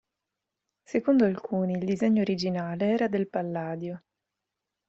Secondo alcuni, il disegno originale era del Palladio.